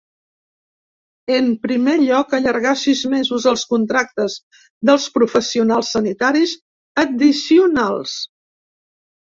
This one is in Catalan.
En primer lloc, allargar sis mesos els contractes dels professionals sanitaris addicionals.